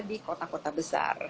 di kota kota besar